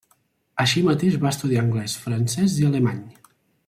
Així mateix, va estudiar anglès, francès i alemany.